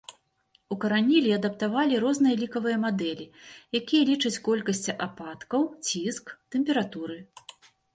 Укаранілі і адаптавалі розныя лікавыя мадэлі, якія лічаць колькасць ападкаў, ціск, тэмпературы.